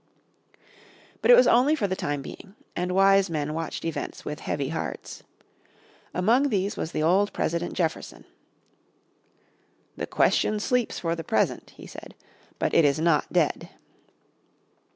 But it was only for the time being, and wise men watched events with heavy hearts. Among these was the old President Jefferson. "The question sleeps for the present," he said, "but is not dead."